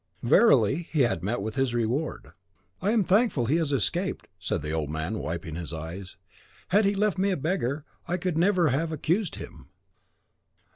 Verily, he had met with his reward. "But I am thankful he has escaped," said the old man, wiping his eyes. "Had he left me a beggar, I could never have accused him."